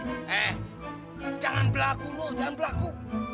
eh jangan berlaku lo jangan berlaku